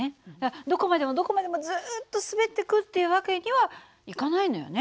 どこまでもどこまでもずっと滑っていくっていう訳にはいかないのよね。